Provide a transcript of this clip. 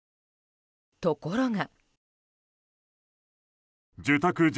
ところが。